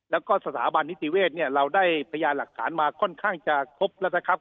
แล้วก็สถาบันนิติเวศเนี่ยเราได้พยานหลักฐานมาค่อนข้างจะครบแล้วนะครับ